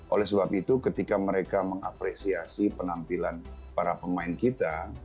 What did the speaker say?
oleh sebab itu ketika mereka mengapresiasi penampilan para pemain kita